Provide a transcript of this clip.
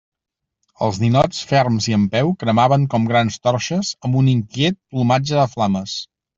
Els ninots ferms i en peu cremaven com grans torxes amb un inquiet plomatge de flames.